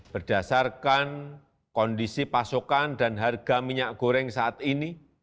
berdasarkan kondisi pasokan dan harga minyak goreng saat ini